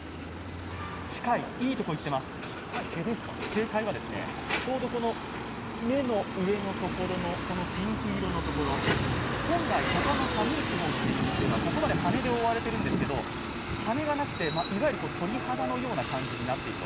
正解は、ちょうどこの目の上のところのピンク色のところ、本来、ほかの寒い地方のペンギンはここまで羽根で覆われているんですけれども、羽がなくて、いわゆる鳥肌のような感じになっている。